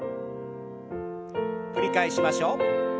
繰り返しましょう。